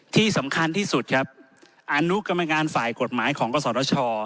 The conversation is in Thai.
ที่สำคัญที่สุดครับอนุกรรมการฝ่ายกฎหมายของกศช